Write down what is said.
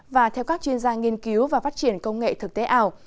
và theo các chuyên gia nghiên cứu và phát triển công nghệ thực tế ảo